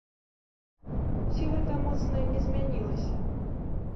Ці гэта моцна не змянілася?